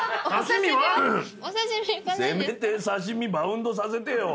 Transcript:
せめて刺し身バウンドさせてよ。